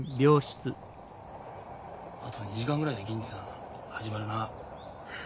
あと２時間ぐらいで銀次さん始まるな。